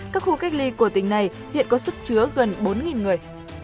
các khu cách ly của tỉnh này hiện có sức chứa gần bốn người